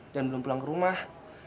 dan belum pulang ke rumah